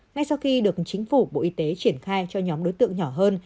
ngay sau khi được chính phủ bộ y tế triển khai cho nhóm đối tượng nhỏ hơn